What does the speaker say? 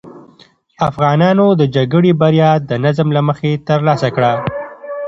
افغانانو د جګړې بریا د نظم له مخې ترلاسه کړه.